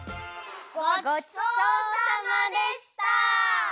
ごちそうさまでした！